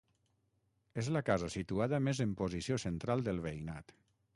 És la casa situada més en posició central del veïnat.